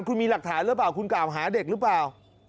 คุณมีหลักฐานหรือเปล่าคุณกล่าวหาเด็กหรือเปล่า